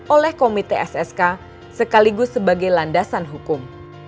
oleh komite ssk sekaligus sebagai landasan hukum